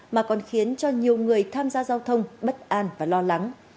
mà còn khiến cho nhiều người tham gia giao thông bất an và lo lắng